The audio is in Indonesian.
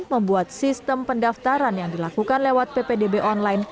membuat sistem pendaftaran yang dilakukan lewat ppdb online